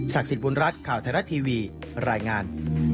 สิทธิ์บุญรัฐข่าวไทยรัฐทีวีรายงาน